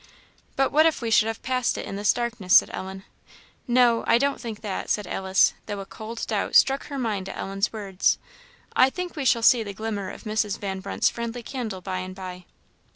"But what if we should have passed it in this darkness?" said Ellen. "No, I don't think that," said Alice, though a cold doubt struck her mind at Ellen's words; "I think we shall see the glimmer of Mrs. Van Brunt's friendly candle, by and by."